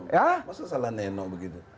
masa salah neno begitu